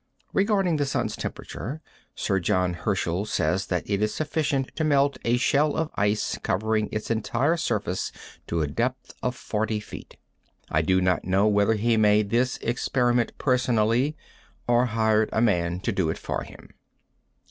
Regarding the sun's temperature, Sir John Herschel says that it is sufficient to melt a shell of ice covering its entire surface to a depth of 40 feet. I do not know whether he made this experiment personally or hired a man to do it for him.